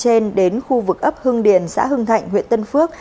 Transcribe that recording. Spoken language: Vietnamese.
trên đến khu vực ấp hưng điền xã hưng thạnh huyện tân phước